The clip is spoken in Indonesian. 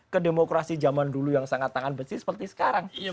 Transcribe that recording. kedemokrasi zaman dulu yang sangat tangan besi seperti sekarang